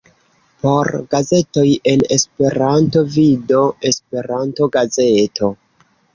Por gazetoj en Esperanto, vidu Esperanto-gazeto.